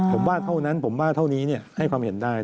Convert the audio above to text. ผมว่าเท่านั้นผมว่าเท่านี้ให้ความเห็นได้